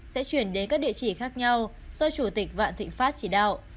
sẽ chuyển đến các địa chỉ khác nhau do chủ tịch vạn thịnh pháp chỉ đạo